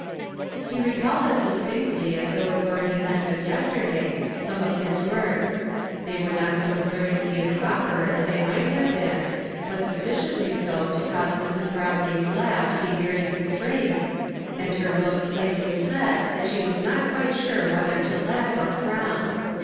lie reealled as distinetly as though it were an event of yesterday, some of his words. They were not so glaringly improper as they might have been, but sullieiently so to eause ^Fi s. Brown lee's laugh to be very constrained, and her look plainly said that she was not quite sure whether to laugh or frown.